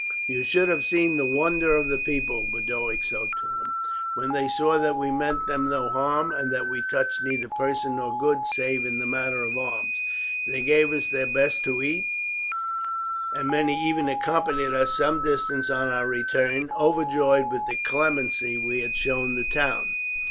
"You should have seen the wonder of the people," Boduoc said to him, "when they saw that we meant them no harm, and that we touched neither person nor goods save in the matter of arms. They gave us their best to eat, and many even accompanied us some distance on our return, overjoyed with the clemency we had shown the town."